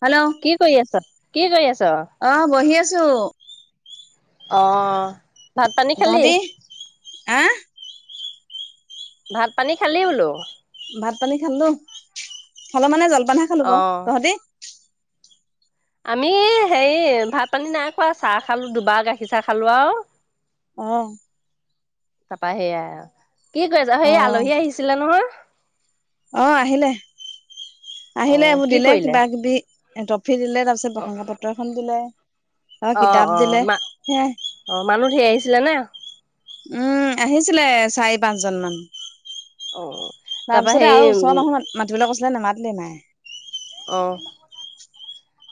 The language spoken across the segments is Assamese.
হেল্ল', কি কৰি আছ? কি কৰি আছ? অ', বহি আছো। অ', ভাত পানী খালি? তহঁতি আহ। ভাত পানী খালি বোলো? ভাত পানী খালো, খালো মানে জলপানে খালো, বাউ অ'। তহঁতি? আমি হেৰি ভাত পানী নাই খোৱা, চাহ খালো দুবাৰ গাখীৰ চাহ খালো আউ অ', তাপা সেয়াই আৰু কি কৰি আছা অ সেই আলহী আহিছিলে নহয়। অ আহিলে আহিলে অ' এইবোৰ কি দিলে কৰিলে? কিবা কিবি এতক, ফিৰি দিলে তাৰপিছত প্ৰশংসা পত্ৰ এখন দিলে। আৰু অ কিতাপ অ দিলে মা সেয়াই অ মানুহ ধেই আহিছিলে নে। উম আহিছিলে চাৰি পাঁচজন মান। অ, তাৰপা তাৰপিছতে হেৰি আৰু ওচৰৰ উম, মানুহ মাতিবলৈ কৈছিলে নোমাতিলে মাই, অ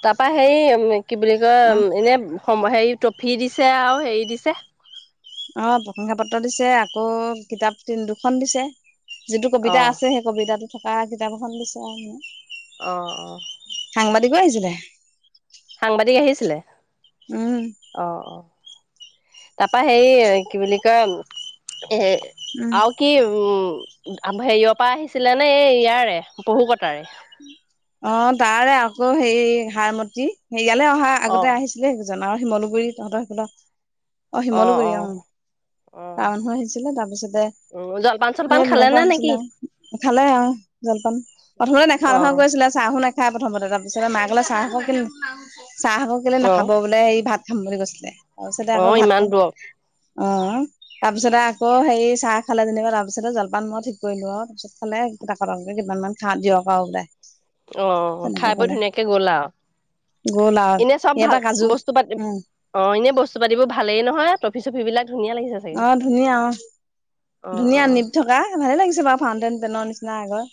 তাৰপা হেৰি কি বুলি উম কয় এনে সম হেৰি, ট্ৰফি দিছে আৰু হেৰি দিছে। অ প্ৰশংসাপত্ৰ দিছে আকৌ কিতাপ তি দুখন দিছে। যিটো কবিতা অ'। আছে সেই কবিতাটো থকা কিতাপ এখন দিছে আৰু অ', অ'। সাংবাদিকো আহিছিলে। সাংবাদিক আহিছিলে উম অ অ তাৰপা হে কি বুলি কয় এ উম আৰু কি উম হেৰিয়ৰ পৰা আহিছিলে নে এই ইয়াৰে পহু কটাৰে। অ তাৰে আকৌ হে সাৰমতি হেৰিয়ালে অহা অ আগতে আহিছিলে। জান আৰু শিমলুগুৰি তহঁতৰ সেইফাল অ শিমলুগুৰি অ, অ টাউন হৈ আহিছিলে তাৰপিছতে, উ জলপান চলপান সেই খালে তেনেকুৱা নে হৈছিলে নেকি আৰু খালে আৰু জলপান প্ৰথমতে নেখা অ নেখাও কৈআছিলে। নাখায় প্ৰথমতে তাৰপিছতে মাক কলে চাহ অকন কে চাহ অকন কেলে অ নাখাব বোলে সেই ভাত, খাম বুলি কৈছিলে তাৰপিছতে অ আকৌ ইমান ভাত, দূৰ অ তাৰ পিছতে আকৌ হেৰি চাহ খালে যেনিবা তাৰপিছতে জলপান মই ঠিক কৰিলো আৰু তাৰপিছত খালে। কৰে কিমান মান খা দিয়ক বোলে। অ তেনেকে খাই বৈ কলে ধুনীয়াকে গ'ল আৰু গ'ল আৰু এনে চব ইয়াৰ ভাল পৰা কাজু বস্তু পাতি উম অ এনে বস্তু পাতিবোৰ ভালেই নহয় টফি চফিবিলাক, অ ধুনীয়া অ অ অ ধুনীয়া নিপ থকা ভালে লাগিছে বাৰু ফাউটেন পেনৰ নিচিনা আগৰ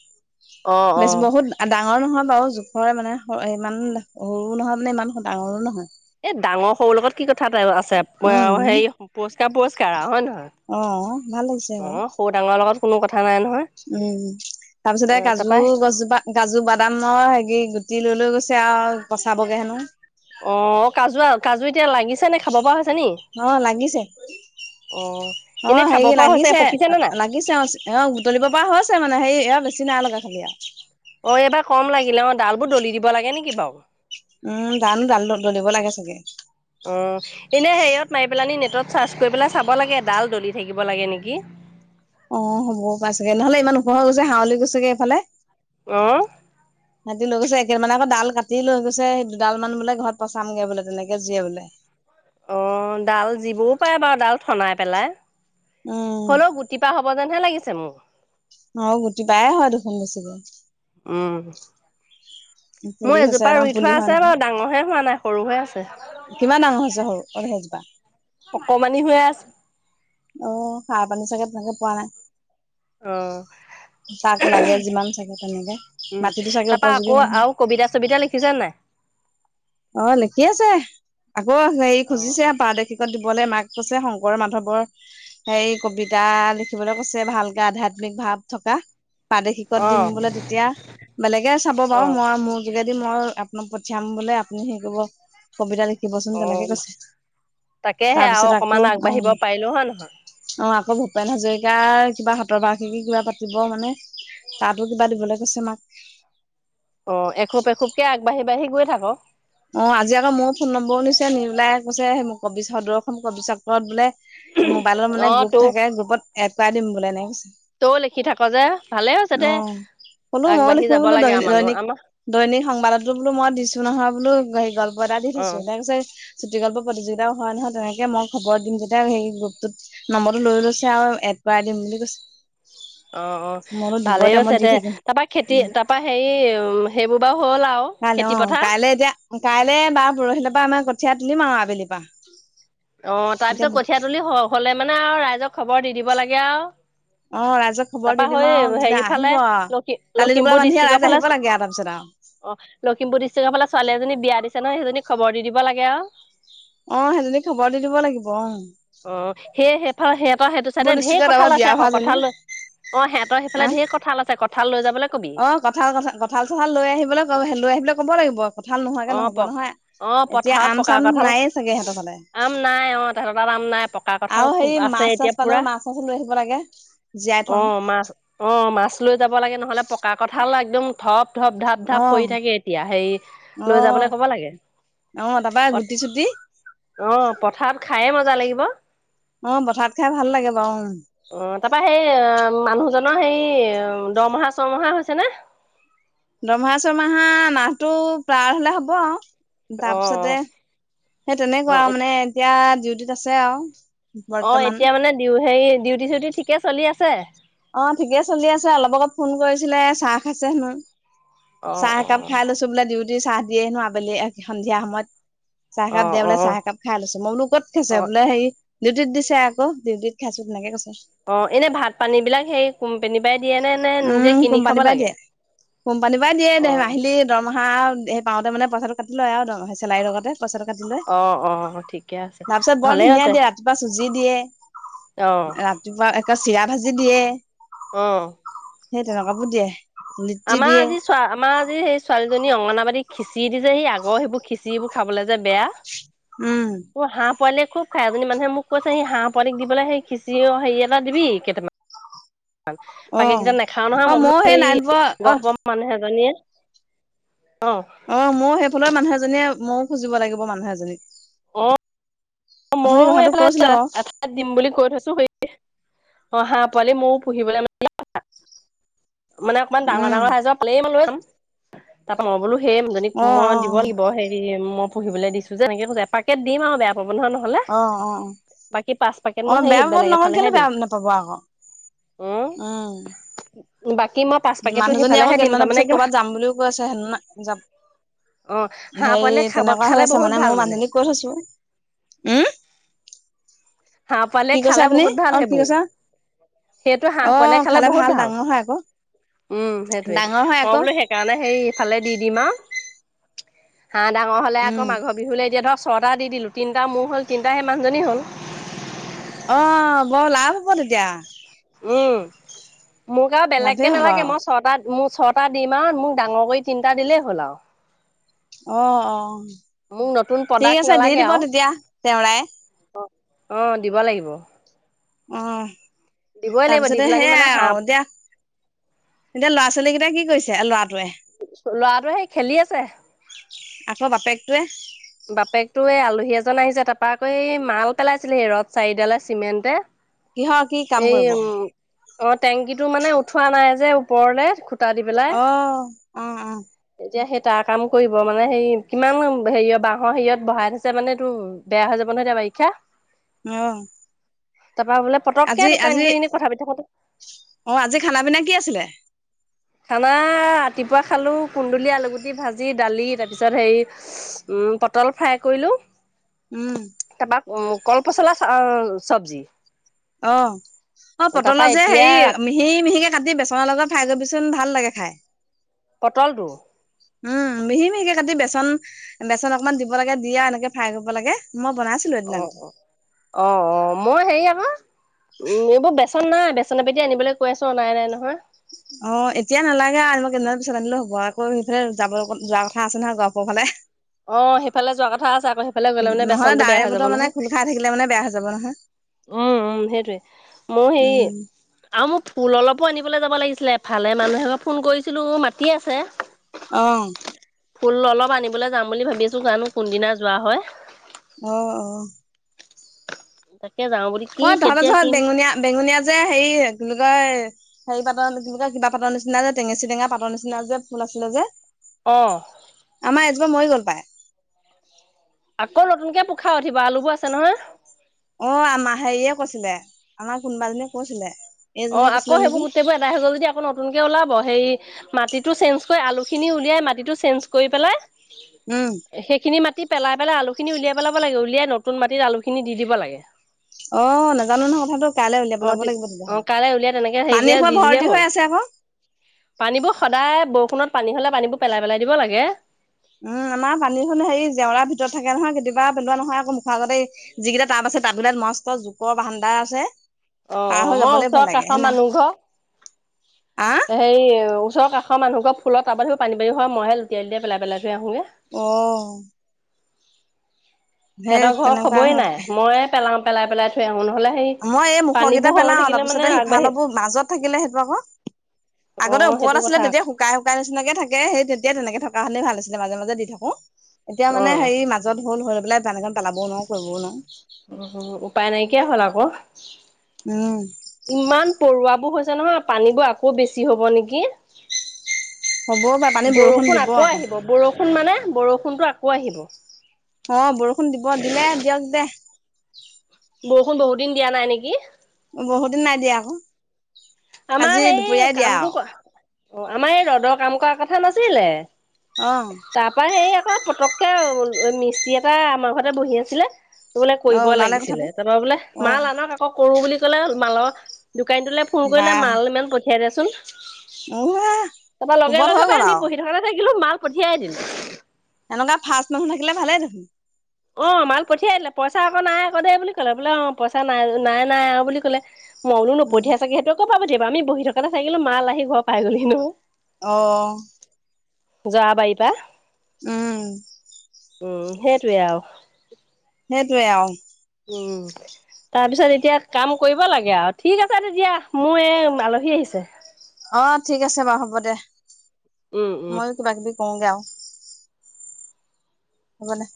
অ অ বেছি বহুত ডাঙৰ নহয়। বাৰু জোখৰে মানে ইমান সৰু নহয় মানে ইমান ডাঙৰো নহয়। এ ডাঙৰ সৰু লগত কি কথা এ আছে উম, হেৰি পুৰস্কাৰ পুৰস্কাৰ হয়নে নহয়। অ', ভাল লাগিছে আকৌ অ সৰু ডাঙলৰ লগত, কোনো কথা নাই নহয় উম তাৰ পিছতে অ তাৰপা কাজু গছোপা কাজু বাদামৰ হেৰি গুটি লৈ লৈ গৈছে। য়াও পচাবগে হেনো। অ কাজু কাজু এতিয়া লাগিছে নে খাব পৰা হৈছে নি অ', লাগিছে অ অ এনে খাব হেৰি পৰা হৈছে লাগিছে পকিছে নে নাই লাগিছে অ এ বুটলিব পৰা হৈছে মানে হেৰি এ বেছি নাই লগা। [unintelligible] অ এইবাৰ কম লাগিলে অ ডাল বোৰ দলি দিব লাগে নেকি বাৰু উম গানো ডাল ডলিব লাগে চাগে। অ এনে হেৰিয়ত মাৰি পেল নি নেটত চাৰ্চ কৰি পেলাই চাব লাগে ডাল দলি থাকিব লাগে নেকি। অ হ'বও পাইছাগে নহলে ইমান ওখৰ হৈ গৈছে হাৱলি গৈছেগে এইফালে। অহ সাত দিন লৈ গৈছে একেলানে আকৌ ডাল কাটি লৈ গৈছে দুডাল মান বোলে ঘৰত পচামগে বোলে তেনেকে যিয়ে বোলে। অ ডাল যিবও পাৰে বাৰু ডাল ঠনাই পেলাই, উম হলেও গুটি পা হ [unintelligible] লাগিছে মোক। অ গুটি বায়ে হয় দেখন বেছি কে। উম মোৰ পুলি হৈছে এজোপা একদম ৰুই পুলি থোৱা হ, আছে বাৰু ডাঙৰহে হোৱা নাই সৰু হৈ আছে কিমান ডাঙৰ হৈছে সৰুল স অকমানি হৈয়ে আছে। আহ সাৰ পানী চাগে তেনেকে পোৱা নাই। তাক আহঁ লাগে যিমান চাগে তেনেকে উম মাটিতো চাগে তাৰাপা উপযোগী আকৌ নহয়। আৰু কবিতা চবিতা লিখিছে নাই। অ লিখি আছে আকৌ হেৰি অ খুজিছে পা দেখ দিবলৈ মাক কছে শংকৰ মাধৱৰ সেই কবিতা লি দেখিবলৈ কৈছে ভালকে আধ্যাত্মিক ভাৱ থকা। প্ৰাদেশিকত দিম অ বোলে তেতিয়া বেলেগে চাব অ বাৰু অ মই মোৰ যোগে মই আপোনাক পঠিয়াম বোলে আপুনি সেই কৰিব কবিতা লি লিখিবচোন তেনেকে কৈছে, তাকেহে আৰু তাৰপিছত আকৌ অকমান অ আগবাঢ়িব পাৰিলো হয় নহয় অ আকৌ ভূপেন হাজৰিকাৰ কিবা সতৰবাসীক কিবা পাতিব মানে। তাতো কিবা দিবলৈ কৈছে মাক। অ এখোপ এখোপকে আগবাঢ়ি বাঢ়ি গৈ থাকক। অ আজি আকৌ মোৰো ফোন নম্বৰো নিছে নি বোলে কৈছে [unintelligible] কবি চক্ৰৰত বোলে মোবাইলত অ মানে তৌ গ্ৰুপ থাকে গ্ৰুপত এপুৱাই দিম বোলে এনেকে কৈছে। তৌ লিখি থাক যে ভালে হৈছে অ দে [inaudible] বোলো ময়ো আগবাঢ়ি লিখো যাব বোলো লাগে আৰু দৈনিক, মানুহ দৈনিক- আমাৰ দৈনিক সংবাদতো বোলো মই দিছো নহয় বোলো। সেই গল্প এটা দি অ থৈছো, ন চুটিগল্প প্ৰতিযোগিতাও হয় নহয় তেনেকে মই খবৰ দিম যেতিয়া সেই গ্ৰুপটোত নমৰটো লৈ লৈছে আৰু। ভৰাই দিম বুলি কৈছে। অ' অ' মই বোলো দিব ভালেই মই আছে দি দে, থাকিম তাৰাপা খেতি উম তাৰপা হেৰি সেইবোৰ বাৰু হ'ল আৰু কাইলৈ খেতি অ' পথাৰ কাইলৈ এতিয়া কাইলে বাাৰ পৰহিলৈ পৰা আমাৰ কঠীয়াা তুলিম আৰু আবেলি পৰা। অ 'তাৰ পিছত এতিয়া কঠিয় তুলি হলে মানে আৰু ৰাইজক খবৰ দি দিব লাগে আৰু। অ ৰাইজক খবৰ দি তাৰপা দিম সেই আৰু হেৰি আহিব ফালে আও লক্ষি কালি টোপোলা লখিমপুৰ বান্ধি ডিষ্ট্ৰিক্ৰ ৰাইজ ফালে আহিব লাগে আৰু তাৰপিছত আৰু অ' লখিমপুৰ ডিষ্ট্ৰিক্টৰ ফালে ছোৱালী এজনী বিয়া দিছে নহয় সেইজনী খবৰ দি দিব লাগে আৰু। অ' সেইজনী খবৰ দি দিব লাগিব অ'। অ' সেই সেইফালে সিহঁতৰ সেইটো চাইেঢেৰ ডিষ্ট্ৰিক্টত কথা আমাৰ লৈছে বিয়া আকৌ হোৱাজনী কথা লৈ অ' সিহঁতৰ হা সেইফালে ধঢেৰ কঁঠাল আছে কঁঠাল লৈ যাবলৈ কবি। অ আহি পেলাই ক'ব লাগিব কঁঠাল নহোৱাকে অ প নহ'ব নহয়, অ এতিয়া পথাৰত আম পকা চাম কঁঠাল নায়ে চাগে সিহঁতৰ ফালে। আম নাই অ' তাহাঁতৰ তাত আাম নাই, পকা কঠাল আৰু হেৰি আছে মাছ চাছ এতিয়া পালেও পুৰা। মাছ চাছ লৈ আহিব লাগে জীয়াই অ থম মাছ অ মাছ লৈ যাব লাগে নহলে পকা কঠাল একদম থপ থপ ধঢাপ ঢাপ। অ হৰি থাকে এতিয়া সেই অ লৈ যাবলৈ কব লাগে। অ' তাৰাপা পথ গুটি- চুটি। অ' পথাৰত খায়ে মজা লাগিব। অ' অ পথাৰত খাই ভাল লাগে বাৰু তাৰপা সেই আহ। মানুহজনৰ হেৰি দৰমহা - ছমহা হৈছে নে? দৰমহা - চৰমাহা নাহটো পাৰ হলে হব অ তাৰপিছতে সেই তেনেকুৱা অ আৰু মানে এতিয়া ডিউটিত আছে আৰু। অ বৰ্তমান এতিয়া মানে দিউ হেৰি ডিউটি চিউটি ঠিকে চলি আছে? অ ঠিকেই চলি আছে অলপ আগত ফোন কৰিছিলে চাহ খাইছে হেনো। অ চাহ অ একাপ খাই লৈছো বোলে ডিউটি চাহ দিয়ে নো আবেলি সন্ধিয়া সময়ত। চাহ অ একাপ দিয়া অ বোলে চাহ একাপ খাই লৈছো মই বোলো ক'ত খাইছো অ বোলে সেই ডিউটিত দিছে আকৌ ডিউটিত খাইছো তেনেকে কৈছে। অ এনে ভাত পানী বিলাক সেই কোম্পনী পাই দিয়ে নে নিজে উম কিনি খাব কোম্পানীৰ পৰাই লাগে? দিয়ে কোম্পানীৰ পৰাই অ দিয়ে মাহিলি দৰমহা সেই পাওঁতে মানে পইচাটো কাটি লয় আৰু চেলাৰীৰ লগতে। চইচ টকা দিলেই অ অ ঠিকে আছে তাৰ পিছত বৰ ভালে ধুনীয়া আছে দিয়া ৰাতিপুৱা চু জি দিয়ে অ ৰাতিপুৱা একে চিৰা ভাজি দিয়ে। অহ সেই তেনেকুৱাবোৰ দিয়ে। লিটি আমাৰ দিয়ে আজি চোৱা আমাৰ আজি সেই ছোৱালী জনী অংগনাবাদী খিচি দি যে সি আগৰ সেইবোৰ খিচৰিবোৰ খাবলে যে বেয়া উম হাঁহ পোৱালিয়ে খুব খাই এজনী মানুহে মোক কৈছে সি হাঁহ পোৱালিক দি পেলাই সেই খিচিৰি হেৰি এটা দিবি কেইটামান। অ [unintelligible] নাখাও নহয় অ মই বোলো ময়ো সেই নাৰায়ণপুৰ অ গহপৰ মানুহ এজনীয়ে অ ময়ো সেইফালে মানুহ এজনীয়ে ময়ো খুজিব লাগিব মানুহ এজনীক অথনি মইো কথাটো এইফালে কৈছিলে বাৰু এঠাইত দিম বুলি কৈ থৈছো সেই অ হাঁহ পোৱালি ময়ো পুহিবলৈ মানে অকণমান ডাঙৰ উম ডাঙৰ হাজজৰ পালেই মই লৈ যাম তাৰ পৰাা মইবলো সেই জনজনীক অ অ মই দিব লাগিব সেই মই পুহিবলৈ দিছো যে এনেকে কৈছো এপাকেট দিম আৰু বেয়া পাব নহয় নহ'লে অ অ বাকী পাঁচ পেকেট অ মই সেই বেয়া পাব বেলেগ নহয় কেলে এফালেহে দিম। বেয়া নাপাব আকৌ উম, ও বাকী মই পাঁচ পেকেটটো মানুহজনী আকৌ সেইফালেহে দিম কেইদানৰ তাৰমানে পিছত একদম কৰ'বাত যাম বুলিও কৈ আছে হে যাম অ' হাঁহ হেৰি পোৱালিয়ে খাব তেনেকুৱা খালে হৈ আছে বহুত মানে ভাল মই মানুহজনি কৈ থৈছো উম হাঁহ পালে কি কৈছে খালে আপুনি বহুত ভাল অ হব কি কৈছে সেইটো হাঁহ অ পালে খালে বহুত ভাল ডাঙৰ হয় আকৌ উম সেইটয়ে ডাঙৰ হয় মই আকৌ বোলো সেইকাৰণে হেই ইফালে দি দিম আৰু হাঁহ ডাঙৰ হ'লে আকৌ উম মঘৰ বিহুলৈ এতিয়া ধৰক ছটা দি দিলোঁ তিনি মোৰ হ'ল তিনিাহে মানুজনী হ'ল অ বৰ লাভ হ'ব তেতিয়া। উম মোক আৰু লাভেই বেলেগকে হ'ব নালাগে আৰু মই ছয়টা মোৰ ছয়টা দিম আৰু মোক ডাঙৰ কৰি তিনটা দিলেই হ'ল আৰু। অ অ। মোক নতুন ঠিক প্ৰডাক্ট আছে দি নালাগে দিব তেতিয়া তেওঁৰাই। অঁ দিব লাগিব। অ। দিবই লাগিব দি তাৰপিছতে পেলানি মানে সেইয়াই হাঁহ আৰু এতিয়া এতিয়া ল'ৰা ছোৱালী কেইটা কি কৰিছে? ল'ৰা ল'ৰাটোৱে সেই খেলি আছে। টোৱে সি এজন আহিছে, তাৰপা আকৈ মাল পেলাইছিলে সি ৰদ চাৰিডালে চিমেণ্টে। কিহৰ কি কাম এই কৰিব? উম, অ টেংকি টো মানে উঠোৱা নাই যে ওপৰলে। দি পেলাই, অ অ এতিয়া সেই তাৰ কাম কৰিব মানে হেৰি কিমান হেৰি বাঁহৰ হিৰত বহাই থৈছে মানে তটো বেয়া হৈ যাব নহয় এতিয়া বাৰিষা। অহ। তাৰপা বোলে সোনকালে দোকানীটো এনেই কথা পাতি। অ আজি খানা পিনা কি আছিলে খানা ৰাতিপুৱা খালো। কুন্দুলি, আলু ভাজি, দালি। তাৰপিছত হেৰি উম পটল ফ্ৰাই কৰিলো। উম তাৰপা কল পচলা চব্জি। অহ। অ তাৰপা পটলৰ যে এতিয়া হেৰি মিহি মিহিকে কাটি বেচনৰ লগত ফ্ৰাই কৰিবিচোন ভাল লাগে খাই। পটলটো? উম মিহি মিহিকে কাটি বেচন বেচন অকনমান দিব লাগে দিয় আৰু এনেকে ফ্ৰাই কৰিব লাগে। মই বনাইছিলো এদিন অ আগতে অ অ অ মই হেৰি আ উ এইবোৰ বেচন বেচন নাই বেচন পেকেত আনিবলৈ কৈ আছো অনাই নাই নহয়। অ এতিয়া নালাগে আৰু মই কেইদমান পিছত আনিলো হবৰ আকৌ সেইফালে যাব যোৱাৰ কথা আছে নহয় গৰপোৰ ফালে। অ সিফালে যোৱা কথা আছে, আকৌ সিফালে গলে মানে নহলে বেচনতটো বেয়া ডাৱৰী হৈ যাব বতৰ মানে নহয়। খোল খাই থাকিলে মানে বেয়া হৈ যাব নহয় উম উম সেইটোৱে। মোৰ সেই উম আৰু মোক ফুল অলপো আনিবলৈ যাব লাগিছিলে, ভালে মানুহে ফোন কৰিছিলো মাতি আছে। অহ। ফুল অলপ আনিবলৈ যাম বুলি ভাবিছো, জানোঁ কোনদিনা যোৱা হয়। অহ অহ। তাক। অই তহঁতে তহঁত বেঙুনীয়া বেঙুনীয়া যে হেৰি কি বুলি কয়? হেৰি পাতৰ নিচিনা কিবা পাটৰ নিচিনা যে টেঙেচি টেঙা পাটৰ নিচনা যে ফুল আছিলে যে। অঁ সেই জোপা মৰি গ'ল প্ৰায়। আকৌ নতুনকে পোখা উঠিব আলুবোৰ আছে নহয়। অ আমাৰ হেৰিয়ে কৈছিলে, আমাৰ কোনোবাজনীয়ে কৈছিলে। অ এইজনীয়ে আকৌ কৈছিলে সেইবোৰ নেকি গোটেইবোৰ এদাই হৈ গল যদি আকৌ নতুনকে ওলাব হেৰী মাটিটো চেঞ্জ কৰি আলুখিনি উলিয়াই মাটিটো চেঞ্জ কৰি পেলাই, উম সেইখিনি মাটি মাটি পেলাই পেলাই আলুখিনি উলিয়াই পেলাব লাগিব উলিয়াই নতুন মাটিত আলুখিনি দি দিব লাগে। অ নাজানো নহয় কথাটো কাইলৈ উলিয়াই অ পেলাব লাগিব। অ তেতিয়াহ'লে কাইলৈ উলিয়াই তেনেকে পানী হেৰিকে সোপা দি দিলেই ভৰ্তি হল হৈ আছে আকৌ পানীবোৰ সদায় ফোনত পানী হ'লে পানীবোৰ পেলাই পেলাই দিব লাগে। উম আমাৰ পানী হ'লে হেৰি জেওৰাৰ ভিতৰত থাকে নহয় কেতিয়াবা পেলোৱা নহয় আকৌ মুখৰ আগতে এই যিকেইটা টাব আছে। তাত বোলে মস্ত জোক, বৰ ভান্দা আছে অ', পাৰ অ', হৈ মই যাবলৈ ওচৰৰ ভয় লাগে কাষৰ হেনা, মানুহ ঘৰ হেৰি ওচৰ কাষৰ মানুহঘৰ ফুলৰ তাবত সি পানী বাৰী হয় মইহে লুটিয়াই লুটিয়াই পেলাই পেলাই দিয়ো। অ [unintelligible] হে তেনেকুৱা খবৰেই হ নাই মইয়ে পেলাও পেলাই পেলাই থৈ আহো নহ'লে হেৰি মই এই মুখৰকেইটা পানীবোৰ হৈ পেলাও থাকিলে মানে তাৰপিছতে আগবাঢ়ি সিফালবোৰ মাজত থাকিলে সেইটো আক, আগতে অ', ওপৰত সেইটো আছিলে কথা তেতিয়া শুকাই শুকাই নিচিনাকে থাকে সেই তেতিয়াই তেনেকে থাকো। থকা হলেই ভাল আছিলে মাজে মাজে দি থাকো এতিয়া মানে অ'। সেই মাজত হ'ল হৈ পেলাই বান পেলাবও নোৱাৰো কৰিবও নোৱাৰো। উপাই নাইকিয়া হ'ল আকৌ উম ইমান পৰুৱাবোৰ হৈছে। ছে নহয় পানীবোৰ আকৌ বেছি হ'ব নেকি। হ'বও পাৰে পানী বৰষুণ দিব আকৌ আহিব বৰষুণ মানে বৰষুণতটো আকৌ আহিব। অ বৰষুণ দিব দিলে দিয়ক দে। বৰষুণ বহুত দিন দিয়া নাই নেকি। বহুত দিন নাই দিয়া আক আমাৰ সেই কামটো কোৱা। অ আমাৰ এই ৰ'দৰ কাম কৰাৰ কথা নাছিলে অ তাৰ পৰা সেই, পতকে মিস্ত্ৰী এটা আমাৰ ঘৰতে বহি আছিলে। বোলে অ কৰিব ওলালে লাগিছিলে কথাটো তাৰপৰা বোলে অ মাল আনক আকৌ কৰো বুলি ক'লে মালৰ দোকানীটো ফোন কৰিলে বাহ মাল ইমান পঠিয়াই দিয়া চোন তাৰপৰা লগে কোবত হৈ লগে গ'ল পাই আমি আৰু পঢ়ি থকা [inaudible] মাল পঠিয়াই দিলোঁ। এনেকুৱা ফাৰ্ষ্ট মানুহ থাকিলে ভালে দেখোন। অ মাল পঠিয়াই দিলে পইচা আকৌ নাই আকৌ দে বুলি কলে বোলে অ পইচা নাই নাই নাই আৰু বুলি ক'লে। মই বুলো নপঠিয়াই চাগে সেইটোৱে কৰপৰা পঠিয়াব আমি বহি থকাতে থাকিলো মাল আহি ঘৰ পাই গ'ল হি হেনোঁ। অ। জোৱা বাৰী পৰা। উম। উম সেইটোৱে আৰু। সেইটোৱে আৰু। উম। তাৰ পিছত এতিয়া কাম কৰিব লাগে আৰু ঠিক আছে তেতিয়া মোৰ এই আলহী আহিছে। অ ঠিক আছে বাৰু হ'ব দে, উম, উম। ময়ো কিবা কিবি কৰোংগে আৰু। হ'ব দে।